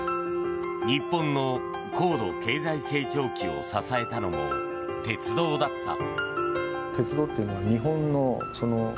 日本の高度経済成長期を支えたのも鉄道だった。